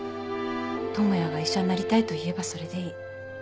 智也が医者になりたいと言えばそれでいい。